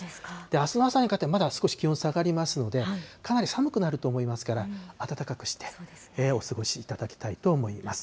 あすの朝にかけてまだ気温下がりますので、かなり寒くなると思いますから、暖かくしてお過ごしいただきたいと思います。